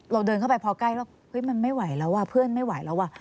เดินเข้าไปพอใกล้แล้วเฮ้ยมันไม่ไหวแล้วอ่ะเพื่อนไม่ไหวแล้วว่ะ